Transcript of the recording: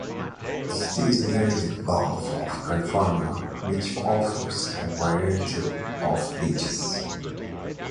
The city is near the Gulf of California which offers a variety of beaches.